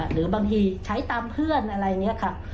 หรือบางทีใช้ตามเพื่อนอะไรอย่างนี้ค่ะ